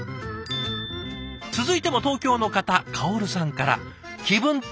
続いても東京の方かおるさんから。